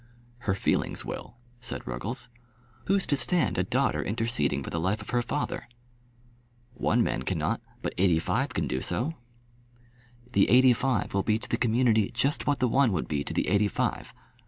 "Her feelings will," said Ruggles. "Who's to stand a daughter interceding for the life of her father?" "One man cannot, but eighty five can do so." "The eighty five will be to the community just what the one would be to the eighty five.